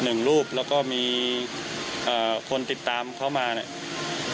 หนึ่งรูปแล้วก็มีเอ่อคนติดตามเขามาเนี่ย